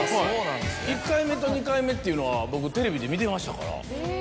１回目と２回目っていうのは僕テレビで見てましたから。